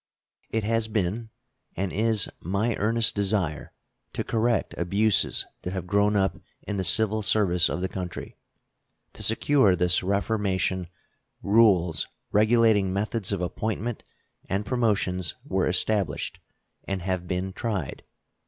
It has been, and is, my earnest desire to correct abuses that have grown up in the civil service of the country. To secure this reformation rules regulating methods of appointment and promotions were established and have been tried.